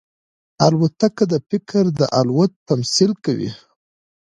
الوتکه د فکر د الوت تمثیل کوي.